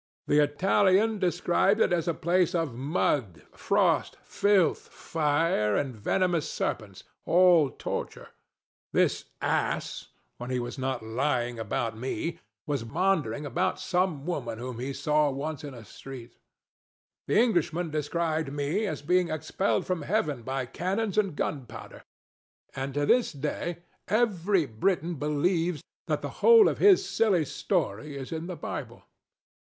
The Italian described it as a place of mud, frost, filth, fire, and venomous serpents: all torture. This ass, when he was not lying about me, was maundering about some woman whom he saw once in the street. The Englishman described me as being expelled from Heaven by cannons and gunpowder; and to this day every Briton believes that the whole of his silly story is in the Bible.